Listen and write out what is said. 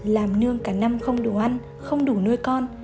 làm nương cả năm không đủ ăn không đủ nuôi con